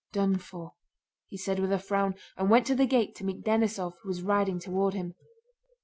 "Done for!" he said with a frown, and went to the gate to meet Denísov who was riding toward him.